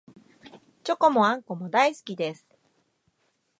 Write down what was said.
チョコもあんこも大好きです